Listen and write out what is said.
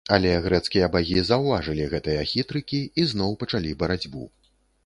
Але грэцкія багі заўважылі гэтыя хітрыкі і зноў пачалі барацьбу.